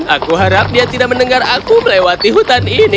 aku harap dia tidak mendengar aku melewati hutan ini